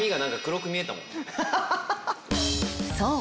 そう！